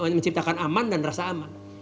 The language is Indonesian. kita harus menciptakan aman dan rasa aman